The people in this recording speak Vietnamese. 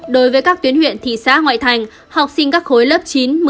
đối với các tuyến huyện thị xã ngoại thành học sinh các khối lớp chín một mươi một mươi một một mươi hai